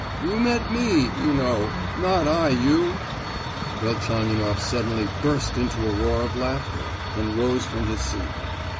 you met me, you know—not I you!" Velchaninoff suddenly burst into a roar of laughter, and rose from his seat.